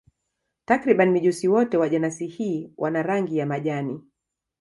Takriban mijusi wote wa jenasi hii wana rangi ya majani.